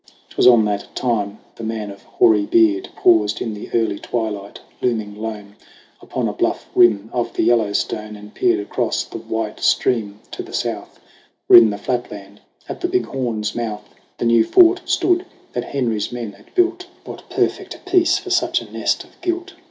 'Twas on that time the man of hoary beard Paused in the early twilight, looming lone Upon a bluff rim of the Yellowstone, And peered across the white stream to the south Where in the flatland at the Big Horn's mouth The new fort stood that Henry's men had built. 104 SONG OF HUGH GLASS What perfect peace for such a nest of guilt